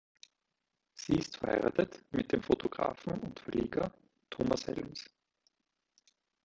Sie ist verheiratet mit dem Fotografen und Verleger Thomas Helms.